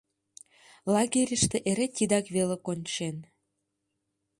Лагерьыште эре тидак веле кончен.